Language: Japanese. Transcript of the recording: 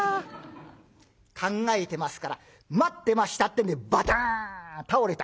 考えてますから待ってましたってんでバタン倒れた。